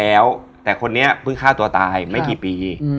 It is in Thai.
แต่คนนี้ค่าตัวตายไม่กี่ปี